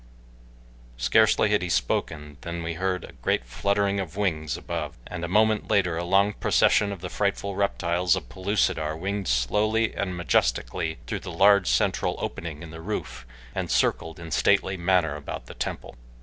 Scarcely had he spoken than we heard a great fluttering of wings above and a moment later a long procession of the frightful reptiles of Pellucidar winged slowly and majestically through the large central opening in the roof and circled in stately manner about the temple.